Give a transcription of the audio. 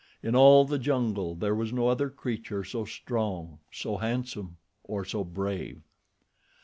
In all the jungle there was no other creature so strong, so handsome, or so brave.